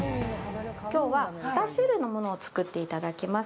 今日は２種類のものを作っていただきます。